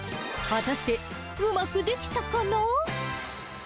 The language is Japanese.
果たしてうまくできたかな？